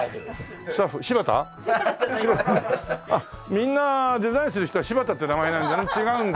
みんなデザインする人は「柴田」って名前じゃないんだね違うんだ。